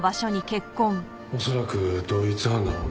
恐らく同一犯だろうな。